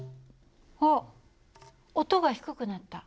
あっ音が低くなった。